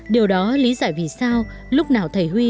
điều đó lý giải vì sao lúc nào thầy huy